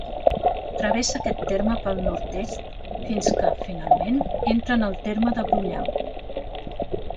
Travessa aquest terme pel nord-est, fins que, finalment, entra en el terme de Brullà.